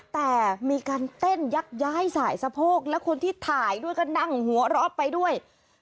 แต่มีการเต้นยักย้ายสายสะโพกแล้วคนที่ถ่ายด้วยก็นั่งหัวเราะไปด้วย